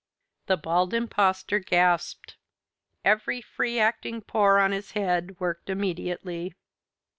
The Bald Impostor gasped. Every free acting pore on his head worked immediately.